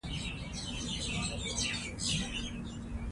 موږ باید تل هیله او هڅه ژوندۍ وساتو